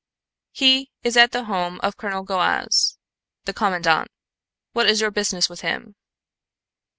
"He is at the home of Colonel Goaz, the commandant. What is your business with him?"